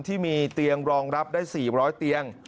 ที่มีเตียงรองรับได้๔๐๐เตียง